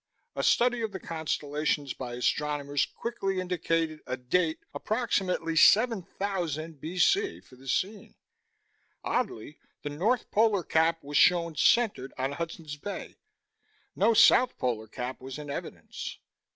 A study of the constellations by astronomers quickly indicated a 'date' approximately 7000 B.C. for the scene. Oddly, the north polar cap was shown centered on Hudson's Bay. No south polar cap was in evidence.